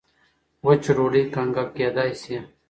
وچه ډوډۍ کنګل کېدای شي.